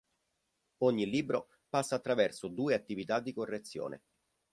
Ogni libro passa attraverso due attività di correzione.